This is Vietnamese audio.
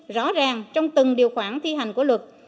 rõ ràng trong từng điều khoản thi hành của luật